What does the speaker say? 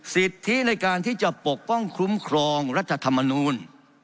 สิทธิในการที่จะปกป้องคุ้มครองรัฐธรรมนูล